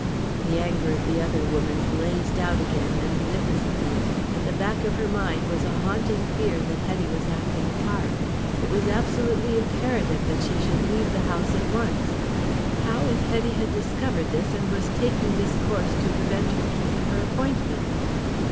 The anger of the other woman blazed out again magnificently. At the back of her mind was a haunting fear that Hetty was acting a part. It was absolutely imperative that she should leave the house at once. How if Hetty had discovered this and was taking this course to prevent her keeping her appointment?